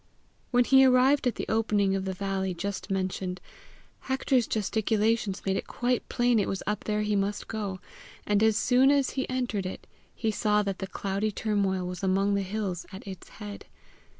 When he arrived at the opening of the valley just mentioned, Hector's gesticulations made it quite plain it was up there he must go; and as soon as he entered it, he saw that the cloudy turmoil was among the hills at its head.